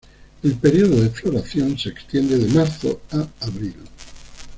El período de floración se extiende de marzo a abril.